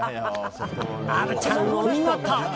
虻ちゃん、お見事！